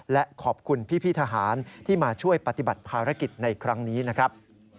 และขอบคุณพี่ทหารที่มาช่วยปฏิบัติภารกิจในครั้งนี้นะครับ